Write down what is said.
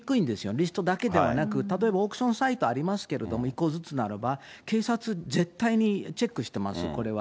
リストだけではなく、例えばオークションサイト、ありますけれども、１個ずつならば、警察、絶対にチェックしてますよ、これは。